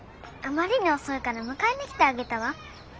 あまりに遅いから迎えに来てあげたわ。